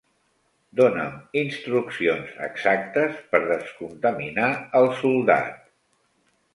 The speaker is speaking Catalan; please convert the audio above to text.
Dóna'm instruccions exactes per descontaminar el soldat.